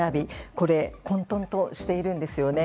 これは混沌としているんですよね。